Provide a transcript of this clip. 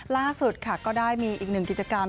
ล่าสุดค่ะก็ได้มีอีกหนึ่งกิจกรรม